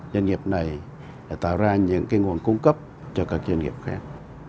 doanh nghiệp này đã tạo ra những nguồn cung cấp cho các doanh nghiệp khác